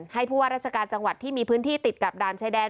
ผู้ว่าราชการจังหวัดที่มีพื้นที่ติดกับด่านชายแดน